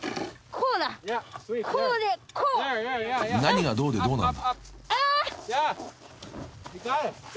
［何がどうでどうなの？］